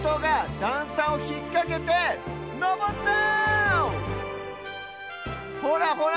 だんさをひっかけてのぼってる！